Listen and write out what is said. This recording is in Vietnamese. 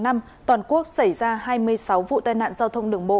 toàn quốc xảy ra hai mươi sáu vụ tai nạn giao thông đường bộ